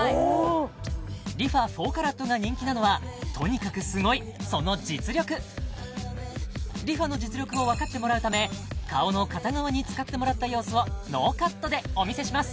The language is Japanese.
ＲｅＦａ４ＣＡＲＡＴが人気なのはとにかくすごいその実力ＲｅＦａの実力をわかってもらうため顔の片側に使ってもらった様子をノーカットでお見せします